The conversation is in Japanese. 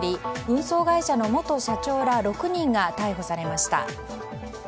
運送会社の元社長ら６人が逮捕されました。